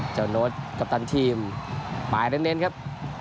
เจ้าโน้ตกัปตันทีมปลายเล่นครับ